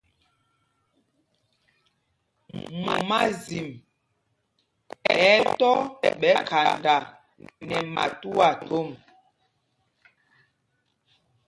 Mumázim ɛ̌ tɔ́ ɓɛ khanda nɛ matuá thom.